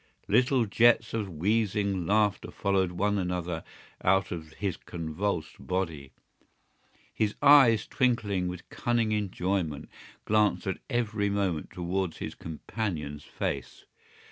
Little jets of wheezing laughter followed one another out of his convulsed body. His eyes, twinkling with cunning enjoyment, glanced at every moment towards his companion's face.